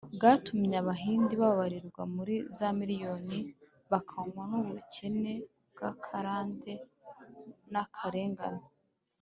bwatumye abahindi babarirwa muri za miriyoni bokamwa n’ubukene bw’akarande n’akarengane.